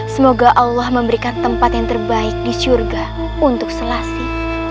semoga allah memberikan tempat yang terbaik di surga untuk selasi